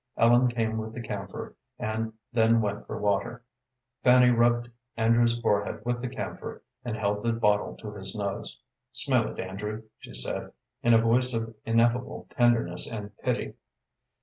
Ellen came with the camphor, and then went for water. Fanny rubbed Andrew's forehead with the camphor, and held the bottle to his nose. "Smell it, Andrew," she said, in a voice of ineffable tenderness and pity.